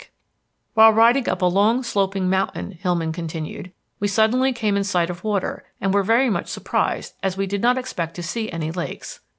Kiser_ PHANTOM SHIP FROM GARFIELD PEAK] "While riding up a long sloping mountain," Hillman continued, "we suddenly came in sight of water and were very much surprised as we did not expect to see any lakes.